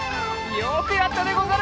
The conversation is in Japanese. よくやったでござる！